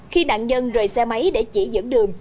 khi nạn nhân rời xe máy để chỉ dẫn đường